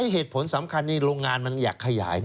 เหตุผลสำคัญนี่โรงงานมันอยากขยาย